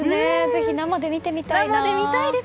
ぜひ生で見てみたいな。